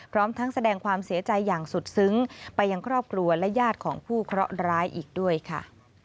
พร้อมทั้งแสดงความเสียใจอย่างสุดซึ้งไปยังครอบครัวและญาติของผู้เคราะห์ร้ายอีกด้วยค่ะ